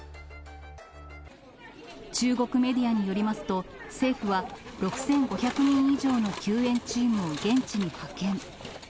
中国メディアによりますと、政府は６５００人以上の救援チームを現地に派遣。